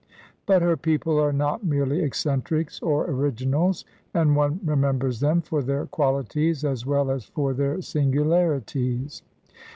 But her people are not merely eccentrics or originals; and one remembers them for their quahties as well as for their singularities.